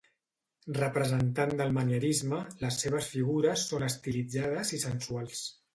Representant del manierisme, les seves figures són estilitzades i sensuals.